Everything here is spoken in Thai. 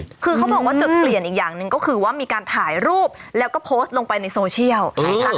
คือเขาบอกว่าจุดเปลี่ยนอีกอย่างหนึ่งก็คือว่ามีการถ่ายรูปแล้วก็โพสต์ลงไปในโซเชียล